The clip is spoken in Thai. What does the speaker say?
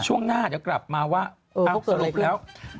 ช่วงหน้าเดี๋ยวกลับมาว่าเอ้าสรุปแล้ว